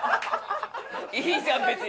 いいじゃん別に！